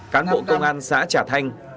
cán bộ công an xã trà thanh